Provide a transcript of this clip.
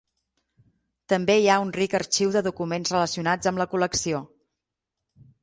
També hi ha un ric arxiu de documents relacionats amb la col·lecció.